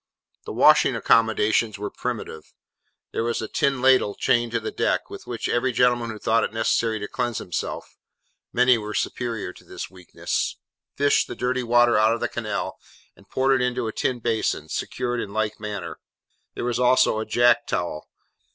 The washing accommodations were primitive. There was a tin ladle chained to the deck, with which every gentleman who thought it necessary to cleanse himself (many were superior to this weakness), fished the dirty water out of the canal, and poured it into a tin basin, secured in like manner. There was also a jack towel.